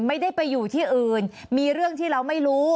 ไม่ได้ไปอยู่ที่อื่นมีเรื่องที่เราไม่รู้